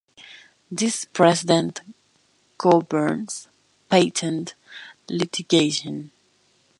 This precedent governs patent litigation.